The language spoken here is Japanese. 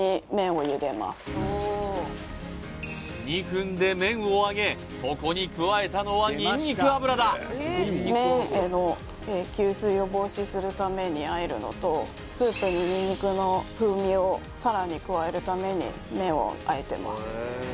２分で麺をあげそこに加えたのはにんにく油だ麺への吸水を防止するためにあえるのとスープににんにくの風味をさらに加えるために麺をあえてます